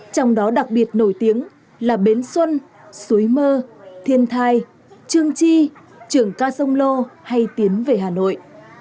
trong đó đặc biệt nổi tiếng là bến xuân suối mơ thiên thai trương chi trường ca sông lô hay tiến về hà nội